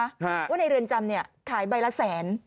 ว่าในเรือนจำเนี่ยขายใบละแสน